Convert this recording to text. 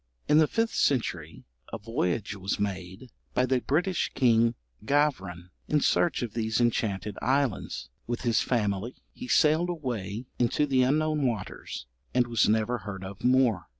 In the fifth century a voyage was made, by the British king Gavran, in search of these enchanted islands; with his family he sailed away into the unknown waters, and was never heard of more.